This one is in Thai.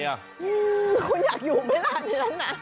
คุณอยากอยู่เมื่อไหร่ในนั้นอ่ะ